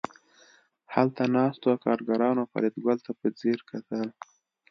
هلته ناستو کارګرانو فریدګل ته په ځیر کتل